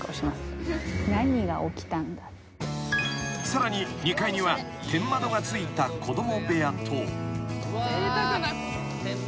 ［さらに２階には天窓がついた子供部屋と］